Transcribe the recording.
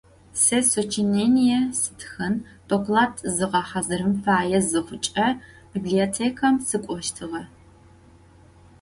Se soçinêniê stxın, doklad zğehazırın faê zıxhuç'e, bibliotêkem sık'oştığe.